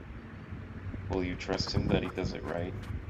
Will you trust him that he does it right?